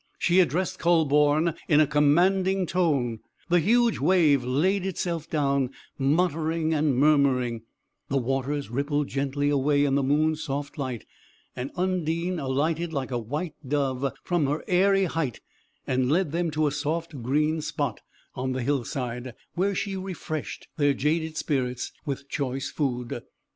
She addressed Kühleborn in a commanding tone, the huge wave laid itself down, muttering and murmuring; the waters rippled gently away in the moon's soft light, and Undine alighted like a white dove from her airy height, and led them to a soft green spot on the hillside, where she refreshed their jaded spirits with choice food.